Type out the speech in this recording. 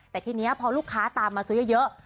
แต่ทีนี้พอลูกค้าตามมาซื้อเยอะ